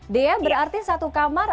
dia berarti satu kamar